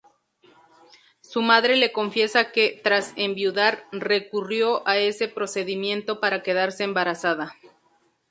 Su madre le confiesa que, tras enviudar, recurrió a ese procedimiento para quedarse embarazada.